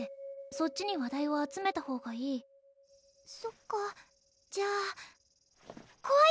そっちに話題を集めたほうがいいそっかじゃあこわいけど頑張ります！